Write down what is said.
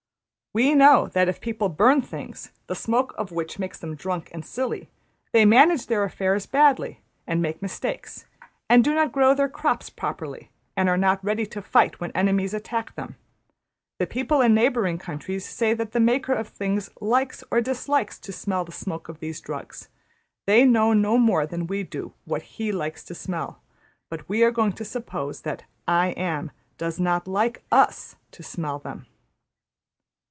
We know that if people burn things the smoke of which makes them drunk and silly, they manage their affairs badly, and make mistakes, and do not grow their crops properly, and are not ready to fight when enemies attack them. The people in neighbouring countries say that the Maker of things likes or dislikes to smell the smoke of these drugs; they know no more than we do what \emph{He} likes to smell, but we are going to suppose that `I Am' does not like \emph{us} to smell them.''